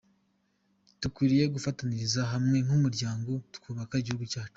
Dukwiriye gufataniriza hamwe nk’umuryango tukubaka igihugu cyacu.